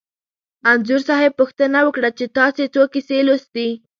انځور صاحب پوښتنه وکړه چې تاسې څو کیسې لوستي.